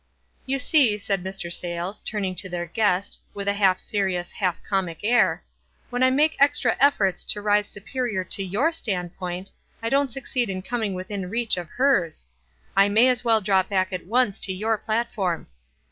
f * You see," said Mr. Sayles, turning to their guest, with a hair serious, half comic air, "when I make extra efforts to rise superior to your standpoint, I don't succeed in coming within reach of hers. I may as well drop back at once to your platform."